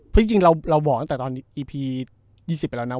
เพราะจริงเราบอกตอนอีพี๒๐ไปแล้วนะ